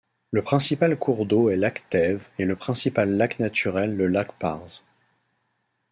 Le principal cours d'eau est l'Aghstev et le principal lac naturel le lac Parz.